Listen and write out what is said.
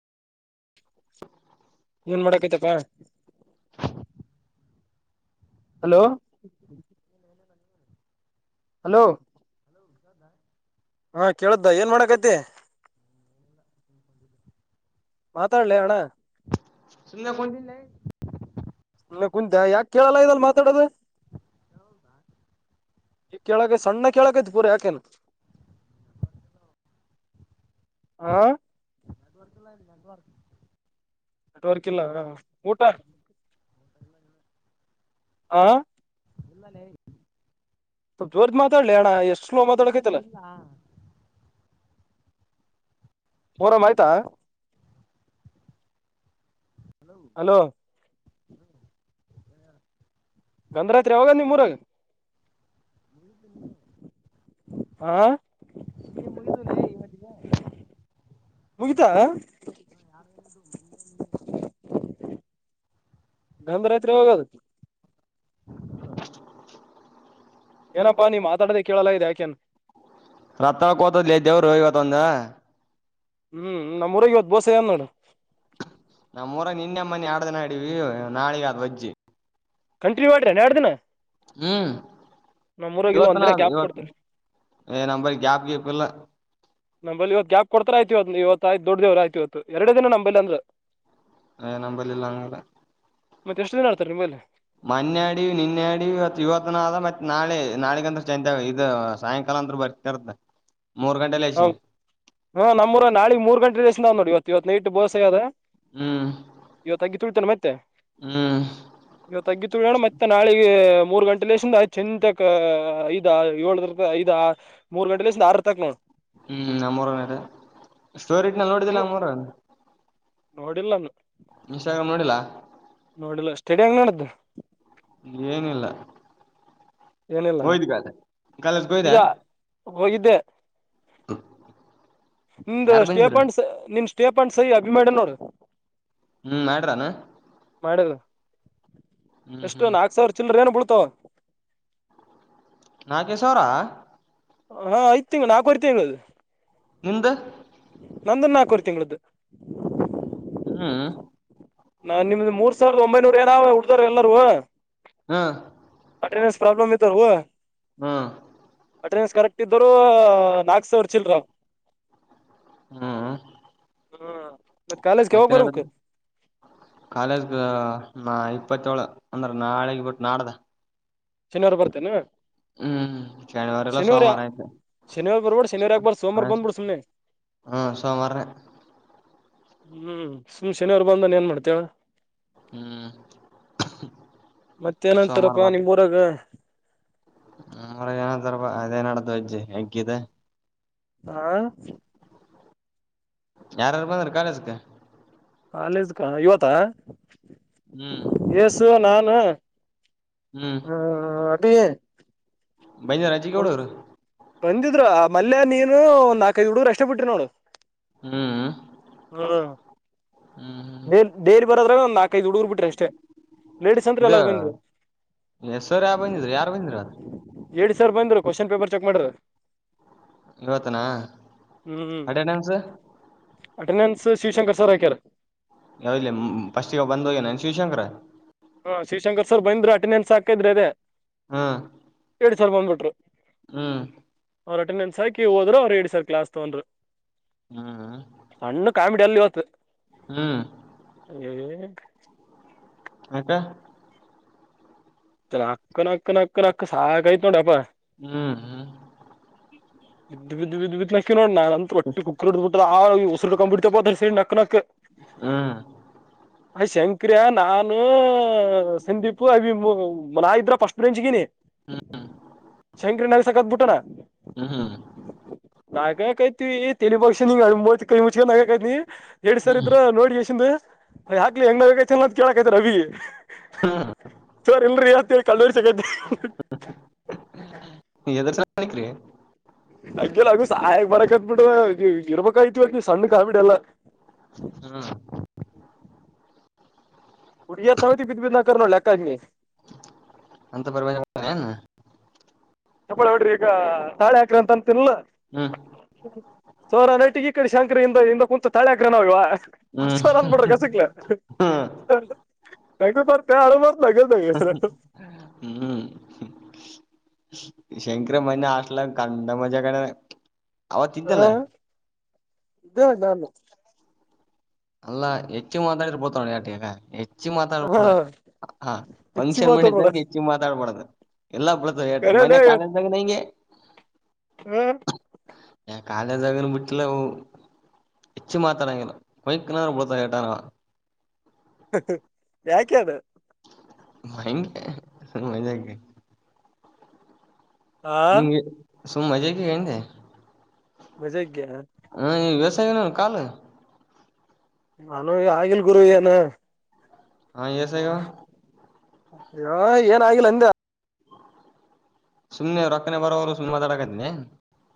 ನೀನ್ ಮಾಡಕೈ್ತಪ್ಪ. Hello. Hello. ಹೌದದಾ. ಹಾ ಕೇಳ್ದ ಏನ್ ಮಾಡಕೈತಿ. ಮಾತಾಡಲೇ ಅಣ್ಣ. ಸುಮ್ನೆ ಕುತಿನ್ ಲೇ ಸುಮ್ನೆ ಕುಂತ ಯಾಕೆ ಕೇಳಲ್ಲ ಇದಲ್ಲ ಮಾತಾಡೋದು. ಈ ಕೆಳ ಕೆ ಸಣ್ಣ ಕೆಳ ಕ ಪೂರ ಯಾಕ್ ಏನ ಹ. ಲ್ಲ. ನೆಟ್ವರ್ಕ್ ಇಲ್ಲ ಊಟ. ಆ. ಇಲ್ಲಾನ. ಸ್ ಜೋರ್ಜ್ ಮಾತಾಡ್ಲಿ ಅಣ್ಣ ಎಷ್ಟು ಇಲ್ಲನೆ ಇಲ್ಲ ಹೋರಾಮ್ ಆಯ್ತಾ ಹಲೋ ಗಧರಾತ್ರಿ ಯಾವಾಗ ನಿಮ್ಮೂರಾಗ ಹಾ ನೀ ಮುಗಿದುನ ಇವತ್ತಿಗೆ ಮುಗಿತಾ ಹ ಯಗದು ಮ ನೀ ನಂದ [unintelligible] ರಾತ್ರಿ ಹೋಗದತ್ತು [unintelligible] ಏನಪ್ಪಾ ನೀವು ಮಾತಾಡದೆ ಕೇಳಲ್ಲ ಇ ಯಾಕೇನ್ ರತ್ತಕತ ಲದೇವ [unintelligible] ರೋಹಿಗ ತಂದ ಹ್ಮ್ ನಮ್ಮ್ಊಗ ಹೊದ ಬೋಸ ನೋಡು ನಮ್ಮೂರ ನೆನ್ನೆ ಮೊನ್ನೆ ಆಡ್ದ ನಾಡೀವಿ ನಾಳಿಗೆ ಆದದ್ ವಜ್ಜಿ ಕಂಟಿನ್ಯೂ ಆಡ್ರಿ ನನ್ [unintelligible] ಎಡ್್ದಿನ ಹ್ಮ್ ಇಲ್ಲ ಇವತ್ ಒಂದ್ ನ ದಿನ ಗ್ಯಾಪ್ ಇವತ್ ಕೊಡ್ತಾರ ಏ ನಂಬರಿ ಗ್ಯಾಪ್ ಗಪ್ಲ್ಲ ನಂಬಲ್ಲಿ ಇವತ್ ಯ್ಯಾಬ್ ಕೊಡ್ತಾರ ಆಯ್ತಿವ್ ಇವತ್ ಆಯ್ತ ದೊಡೇವ್ರ ಆಯ್ತ ಇವತ್ತು ಎರಡ ದಿನ ನಂಬಲ್ಲಿ ಅಂದ್ರ ನಂಬಲಿಲ್ಲ [unintelligible] ಅಂಗಡೆ ಮತ್ತೆ ಎಷ್ಟ ದನ ಆಡ್ತಾರೆ ನಿಮ್ಮೇಲೆ. ಮೊನ್ನೆ ಅಡಿ ನಿನ್ನೆಡಿ ಇವತ್ ಇವತ್ತ ನ ಆದ ಮತ್ತತ್ ನಾಳೆ ನಾಳಗಂದ್ರೆ ಇ ಸಾಯಂಕಾಲ. ಅಂದ್ರ ಬರ್ತಾರ್ದ. ಹ ಹ ನಮ್ಮೂರ ನಾಳಿಗ್ ಮೂರ್ ಗಂಟೆ ದಸ್ ನೋಡಿ ಇವತ್ತುವತ್ ನೈಟ್ು ಬೋಸೆ ಅದ. ಹ್ಮ್ ಇವತ್ತಾಗಿ ತುಳಿತಾನ ಮತ್ತೆ. ಹ್ಮ್ ಇವತ್ತು ಅಗ್ಗಿ ತಳೋಣ ಮತ್ತೆ ನಾಳೆಗೆ. ಮೂರ್ ಗಂಟೆಲ್ ಚ ತಕ್ ಐದ್ ಏಳ ಐದ ಮೂರ್ ಗಂಟೆ ಲ ಆರ್ ತಕ್ ನವು. ಹ್ಮ್ ನಮ್ಮರನ ಸ್ಟೋರಿಟ್ ನ ನೋಡಿದಲ್ಲ ನಮ್ಮರನ್. ನೋಡಿಲ್ಲಾನ. ಇನ್ಸ್ಟಾಗ್ರಾಮ್ ನೋಡಿಲ್ಲಾ. ನೋಡಿಲ್ಲ ಸ್ಟೇಡಿಯಂ್ [unintelligible] ನೋಡಿದ್ದ. ಏನಿಲ್ಲ ಏನಿಲ್ಲ ಒಯ್ದಗ ಅಾಲ [unintelligible] ಕಾಲೇಜಗಯ್ದ. ಹೋಗಿದ್ದ. ಹ. ನಿಂದ ಸ್ಟೇಪನ್ ನಿನ್ ಸ್ಟೇಪನ್್ [unintelligible] ಸೈ ಅಭಿಮಾನ ನೋ್ರ. ಹ್ಮ್ [unintelligible] ಮಾಡ್ರಾನ. ಮಾಡಿದ ಹ್ಮ್ ಎಷ್ಟು ಹ್ಮ್ ನಾಕ್ ಸಾವಿರ ಚಿಲ್ಲರ ಏನು ಬಿಳ್ತಾವ. ನಾಗೇಶ್ ಅವರ [unintelligible] ಹಾ ಐತ್ ತಿಂಗಳು ನಾಕುರ್ತ [unintelligible] ನಿಂದು ನಂದು ನಾಲ್ಕವರು ತಿಂಗಳ್ದು ಹ್ಮ್ ನಾನ್ ನಿಮ್ದ ಮೂರ್ ಸಾವಿರದ ಒಂಬೈನೂರ ಏನ ಹುಡ್ದಾರ ಎಲ್ಲಾರೂ ಹಾ ನ್ಸ್ ಪ್ರಾಬ್ಲಮ್ ಇತ ಹ್ಮ ಅಟೆಂಡೆನ್ಸ್ ಕರೆಕ್ಟ್ ಇದರು ನಾಕ್ ಸಾವಿರ್ ಚಿಲ್ರ ಹ್ಮ್ ಹಾ ಮತ್ತೆ ಕಾಲೇಜಿಗೆ ಯಾವಗ ಬರ್ಬೇಕು ಕಾಲೇಜ್ ಗ ಇಪ್ಪತ್ತ ಳು ಅಂದ್ರ ನಾಳೆಗೆ ಬಿಿಟ್ಟು ನಾಡ್ದ ಶನಿವಾರ ಬರ್ತೇನೆ ಹ್ಮ್್ಮ್ ಶನಿವಾರ ಎಲ್ಲ ಸೋಮವಾರ ಆಯತ ಶನಿವಾರ ಬರ್ಬೇಡ ಶನಿವಾರ ಯಾಕ್ ಬಾರ್ದ ಸೋಮವಾರ ಹ ಬಂದ್ಬಿಡು ಸುಮ್ನೆ ಹ್ಮ ಸೋಮವಾರನ ಹ್ಮ್ ಸುಮ್ ಶನಿವಾರ ಬಂದಾನ ಏನ್ ಮಾಡ್ತೀಯಾ ಹೇಳು ಹ್ಮ್ ಸೋಮವಾರ ಮತ್ತೇಏನಂತಾರಪಾ ಬರ್ ನಿಮ್ ಊರಾಗ [unintelligible] ಅಜ್ಜಿ ಹೆಗ್ಗಿದೆ. ಹಾ ಯಾರಾರು ಬಂದ್ರ ಕಾಲೇಜ್ಗೆ ಕಾಲೇಜ ಗ ಇವತ್ತ ಹ್ಮ್ ಏಸು ನಾನು ಹ್ಮ್ ಹ್ಮ ಅಭಿ ಬೈಂದ ರಾಜಜಿ ಒಂದ್ ಕೌಡರು ಬಂದಿದ್ರು ಆ ಮಲ್ಲ ನೀನು ಒಂದ್ ನಾಲ್ಕೈದು ಹಡುಗರು ಬಿಟ್ರು ಬಿಟ್ಟಿ ನೋಡು ಹ್ಮ್ ಹ್ಮ್ ಹ್ಮ್ ಬೇರ್ ಡೈಲಿ ಬರದ್ರ ಒಂದ ನಾಲ್ಕೈದು ಹುಡುಗರ್ ಬಿಟ್ರೆ ಅಷ್ಟೇ ಲೇಡಿಸಸ್ ಅಂದ್ರ ಇದು ಎಲ್ಲಾರು ಬಂದ್ರು ಹೆಸರು ಯಾವ ಬಂದಿದ್ರ ಯಾರ ಬಂದಿರ ಅ್ರ ಏಡ್ ಸಾವಿರ್ ಬಂದ್ ಕೋಶನ್ ಪೇಪರ್ ಚೆಕ್ ಮಾಡ್ರ್. ಇವತ್ತನಾ ಹ್ಮ್ ಅಟೆಂಡೆನ್ಸ್ ಅಟೆಂಡೆನ್ಸ್ ಶಿವಶಂಕರ್ ಸರ್ ಆಾಕ್ಯಾರ ಯಾವಲ್ಲ ಪಫಸ್ಟ್ಗ ಬಂದೋಗೇನಾನನ್ ಶಿವಶಂಕರ ಹಾ ಶ್ರೀಶಂಕರ್ ಸರ್ ಬಂದ್ರು ಅಟೆಂಡೆನ್ಸ್ ಹಾಕಿದ್ರೆ ಅೇ ಹೇಳ ಸರ್ ಬಂದ್ಬಿಟ್ರು ಹ್ಮ ಅವರು ಅಟೆಂಡೆನ್ಸ್ ಹಾಕಿ ಹೋದ್ರು ಅವ್ರು ಹೇಳ ಸರ್ ಕ್ಲಾಸ್ ತಗೊಂಡರು ಹ್ಮ್ ಸಣ್ಣ ಕಾಮಿಡಿ ಅಲ್ಲಿ ಹ್ಮ್ ಹ್ಮ್ ಹಕ್ಕ ಚ ನಕ್ಕ ನಕ ನಕ ನಕ್ಕ ಸಾಕಾಯತು ತೊಡಪ ಹ್ಮ್ ಹ್ಮ್ ಇದ ಬಿದ್ದು ಬಿದ್ದು ಬಿದ್ದ್ ನಾಕಿ ನೋಡ ನ ಅಂತ ಒಟ್ಟಿ ಕುಕ್ಕರ್ಬ ಆ ಉಸರು ಕಂಬಿಡ್ತಾತಾರೆ ಸರಿ ನಕ್ ನು ಹ್ಮ ಅಯ್ ಶಂಕರ್ಯ ನಾನು ಸಂದೀಪು ಅ ನಾ ಇದ್ರ ಫಸ್ಟ್ ಬೇಂಜಗೀನಿ ಹ್ಮ್ ಶಂಕರಿ ನಲ್ಲಿ ಸಕತ್ಬ ಬಿಟ್ಟಣ ಹ್ಮ್ ಹ್ಮ ನಾಗಾಕೈತಿವಿ ತಲಿ ಬಕ್ಷಿವ ಕೈ ಮುಂಚಗ ನಾಗಕೈಐತಿನಿ ಎರಡ್ ಸರ್ ಇದ್ರ ಹ್ಮ್ ನೋಡಿನ್ ಅಯ್ ಹಾಕ್ಲಿ ಹೆಂಗ ಚಂದ ಕೇಳಕ್ೈತ್ ರವಿ ಹ್ಮ್ ಸರ್ ಇಲ್ೀ ಹ್ಮ್ ನೀ ಎರ್ನ್ನ ನಿಕ್ರಿ ಅಗೆಲ್ಲ ಅಗು ಸಹಾಯಗ್ ಬರಕ್ತ್ ಬಿಿಟ್ಟ ಇರ್ಬ ಆತಿವಕ ಸಣ್ಣಕ್ ಆಬಿಡಲ್ಲ ಹ್ಮ ಹುಡುಗಿಯರ ಸಮೇತ ಬಿದ್ದು ಬಿದ್ದು ನಕ್ಕರಾ ಲೆಕ್ಕ ನೀ ಅಂತ ಬವಾಜ ಚಪ್ಪಳ ಹೊಡ್ರಿ ಈಗ ತಾಳೆ ಹಾಕ್ರಿ ಅಂತ ಅಂತ ತಿನ್ಲ ಹ್ಮ್ ಸೋರ ನೈಟಿಗೆಿ ಈಡಿ ಶಂಕರಿಯಿಂದ ಕುಂಂತ ತಾಳ್ಯಾಗ್ರಹಣವುವ ಹ್ಮ್ ಹಸಾರನ್ ಪಡ ಕಸುಕ್ಲ ನ ಪಾರತೇ ಅಳಮಾರ ಹ್ಮ್ ಶಂಕರ ಮನೆ ಆಲ ಕಂಡ ಮಜೆ ಕಡೆ ಅವವ ತಿಲ್ಲ ಇದ್ದ ನಾನು ಅಲ್ಲಾ ಹೆಚ್ಚು ಮಾತಾಡಿ ಪತೋಣ ಯಟಿ ಹೆ ಹೆಚ್ಚಿ ಹಾ ಮಾತಾಡ್ಬಾರಡ್ದ ಹ ಹಚ್ಚಿ ಫಂಕ್ಷನ್ ಮಾತಾಡ್ಬೇಡ ಮಾಡಿದಂಗೆ ಹೆಚ್ಚಿ ಮಾತಾಡ್ಬಾರಡ್ದ ಎಲ್ಲಾ ಬಳತ ಎಷ್ಟು ಮನೆ ಕಾಲಿಂದದಾಗ ನಂಗೆ ಹ್ಮ ಕಾಲೇ ಜಗ ಬಿಟ್ಟಲ ಹೆಚ್ಚು ಮಾತ್ರಡಂಗಿಲ್ಲ ಬೈನಾರು ಒಳತ ಕೇಟಾರಾ ಯಾಕೆದ ಮಯಗೆ ಮಜಾ ಆ ಆ ನಿಂಗೆ ಸುಮಮ್ಮಜಗಗಂಡೆ ಮಜೆ ಹ್ಮ ವ್ಯವಸಾಯನು ಕಾಲು ನಾನು ಆಗಿಲ್ ಗುರು ಏನ ಹಾ ಎಸೇಗ ಯ ಏನ ಆಗಿಲ್ಲ ಅಂದೆ ಸುಮ್ಮ್ನೆ ಅವರುಕ್ಕನೆ ಬರೋವರು ಸುಮ್ಮನೆ ಮಾತಡಕದ್ನನೆ